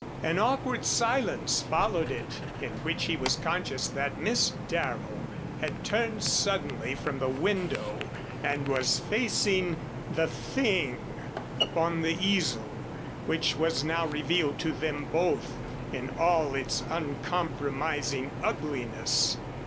An awkward silence followed it, in which he was conscious that Miss Darrow had turned suddenly from the window and was facing the Thing upon the easel, which was now revealed to them both in all its uncompromising ugliness.